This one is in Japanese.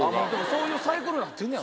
そういうサイクルなってんねや。